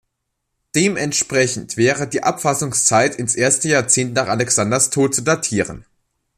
Dementsprechend wäre die Abfassungszeit ins erste Jahrzehnt nach Alexanders Tod zu datieren.